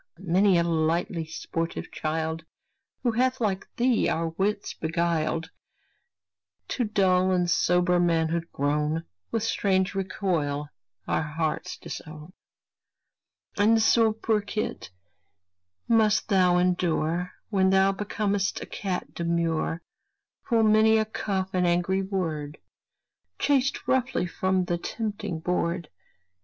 many a lightly sportive child, Who hath like thee our wits beguiled, To dull and sober manhood grown, With strange recoil our hearts disown. And so, poor kit! must thou endure, When thou becom'st a cat demure, Full many a cuff and angry word, Chased roughly from the tempting board.